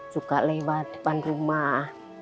suka lewat depan rumah